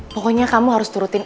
pokoknya kamu harus turutin